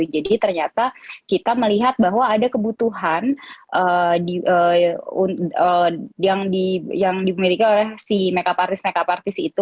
jadi ternyata kita melihat bahwa ada kebutuhan yang dimiliki oleh si make up artis make up artis itu